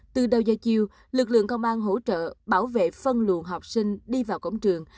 từ đầu gia chiêu lực lượng công an hỗ trợ bảo vệ phân luồn học sinh đi vào cổng trường